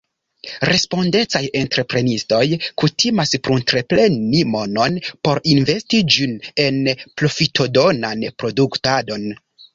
Respondecaj entreprenistoj kutimas pruntepreni monon por investi ĝin en profitodonan produktadon.